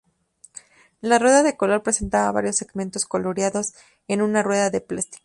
La rueda de color presentaba varios segmentos coloreados en una rueda de plástico.